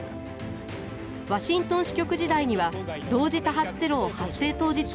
ワシントン支局時代には同時多発テロを発生当日から取材。